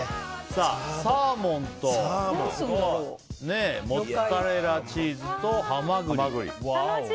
サーモンとモッツァレラチーズとハマグリ。